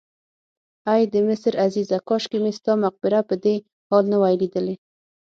ای د مصر عزیزه کاشکې مې ستا مقبره په دې حال نه وای لیدلې.